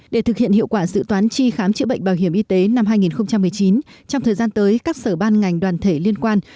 để thực hiện hiệu quả sự toán tri khám chữa bệnh bảo hiểm y tế năm hai nghìn một mươi chín trong thời gian tới các sở ban ngành đoàn thể liên quan